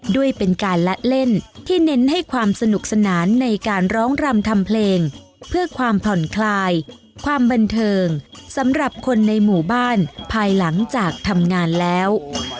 ด้วยเป็นการละเล่นที่เน้นให้ความสนุกสนานในการร้องรำทำเพลงเพื่อความผ่อนคลายความบันเทิงสำหรับคนในหมู่บ้านภายหลังจากทำงานแล้ว